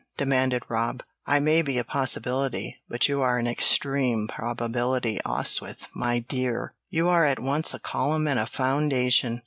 demanded Rob. "I may be a possibility, but you are an extreme probability, Oswyth, my dear. You are at once a column and a foundation.